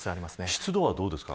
湿度はどうですか。